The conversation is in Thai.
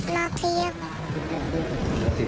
๑๐นาทีเหรอครับ